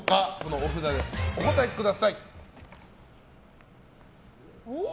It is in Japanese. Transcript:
お札でお答えください。